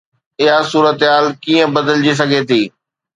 اها صورتحال ڪيئن بدلجي سگهي ٿي؟